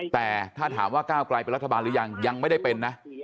แต่ถ้าถามว่าก้าวไกลเป็นรัฐบาลหรือยังยังไม่ได้เป็นนะ